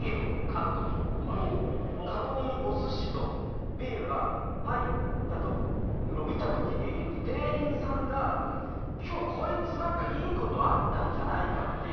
籠にお寿司とビールが入ったのを見た時に店員さんが「今日こいつなんかいい事あったんじゃないか」っていう。